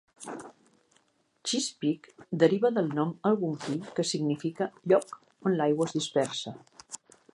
Chesapeake deriva del nom algonquí, que significa "lloc on l'aigua es dispersa".